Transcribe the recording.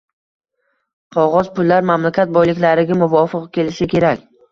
Qog‘oz pullar mamlakat boyliklariga muvofiq kelishi kerak.